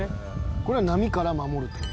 「これは波から守るって事？」